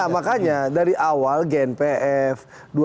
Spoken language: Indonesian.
makanya dari awal gnpf